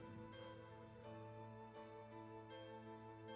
kalau sudah ber fizik saya akan tidak ada bintang saatnya